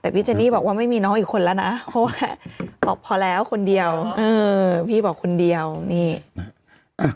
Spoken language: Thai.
แต่พี่เจนี่บอกว่าไม่มีน้องอีกคนแล้วนะเพราะว่าบอกพอแล้วคนเดียวเออพี่บอกคนเดียวนี่